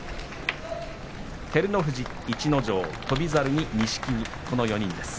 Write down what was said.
照ノ富士、逸ノ城、翔猿に錦木この４人です。